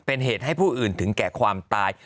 เป็นเหตุให้ผู้อื่นถึงแก่ความตาย